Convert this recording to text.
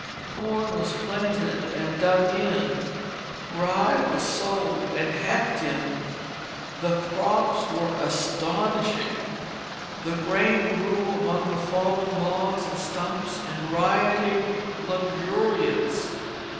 Corn was planted and "dug in"; rye was sowed and "hacked in." The crops were astonishing; the grain grew among the fallen logs and stumps in rioting luxuriance.